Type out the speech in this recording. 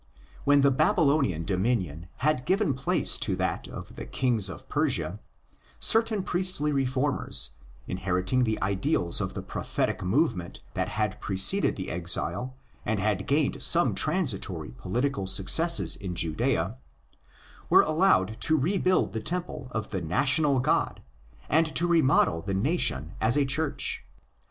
When the Babylonian dominion had given place to that of the kings of Persia, certain priestly reformers, inheriting the ideals of the prophetic movement that had preceded the exile and had gained some transitory political successes in Judea, were allowed to rebuild the temple of the national God and to remodel the nation as 8 Church.